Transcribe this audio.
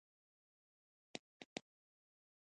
• دښمني د ژوند توازن خرابوي.